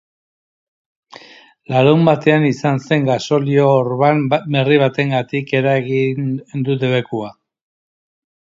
Larunbatean izan zen gasolio-orban berri batengatik eragin du debekua.